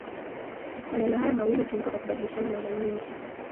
Maneno haya mawili hutumika kwa kubadilishana mara nyingi.